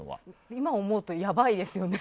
今思うとやばいですよね。